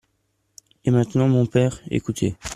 Et maintenant, mon père, écoutez…